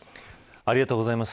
ありがとうございます。